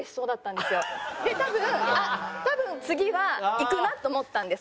で多分多分次はいくなと思ったんです。